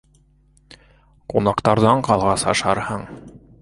— Ҡунаҡтарҙан ҡалғас ашарһың.